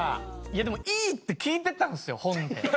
でもいいって聞いてたんですよ本で。